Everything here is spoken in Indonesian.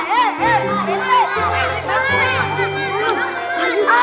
sampai melorot kepok gitu